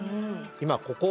今ここ。